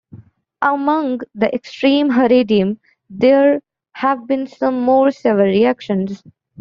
Among the extreme Haredim, there have been some more severe reactions.